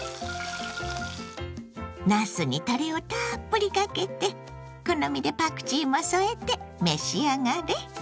なすにたれをたっぷりかけて好みでパクチーも添えて召し上がれ！